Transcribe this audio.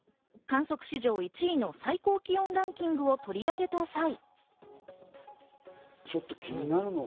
観測史上１位の最高気温ランキングを取り上げた際。